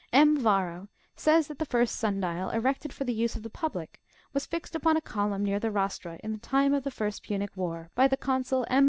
M. Yarro"'^ says that the first sun dial, erected for the use of the public, was fixed upon a column near the Rostra, ini the time of the first Punic war, by the consul M.